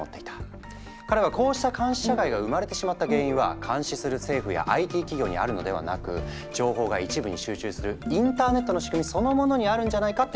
彼はこうした監視社会が生まれてしまった原因は監視する政府やＩＴ企業にあるのではなく情報が一部に集中するインターネットの仕組みそのものにあるんじゃないかって考えたんだ。